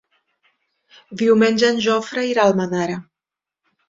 Diumenge en Jofre irà a Almenara.